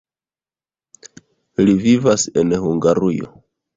Li vivas en Hungarujo.